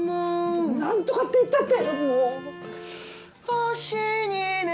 なんとかって言ったって。